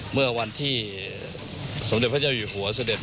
เมื่อวันที่สมเด็จพระเจ้าอยู่หัวเสด็จ